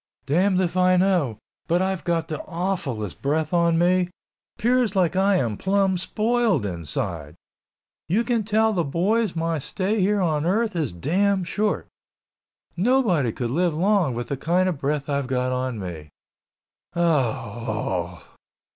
"Damned if I know, but I've got the awfullest breath on me. 'Pears like I am plum spoiled inside. You can tell the boys my stay here on earth is damn short. Nobody could live long with the kind of breath I've got on me. Oh, oh!"